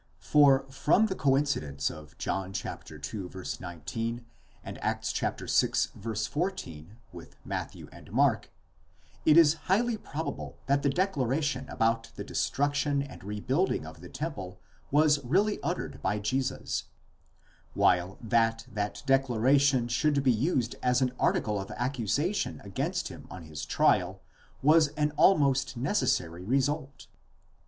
For from the coincidence of John ii. 19 and Acts vi. 14 with Matthew and Mark, it is highly probably that the declaration about the destruction and rebuilding of the temple was really uttered by Jesus; while that that declaration should be used as an article of accusation against him on his trial was an almost necessary result.